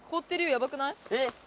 やばくない？えっ？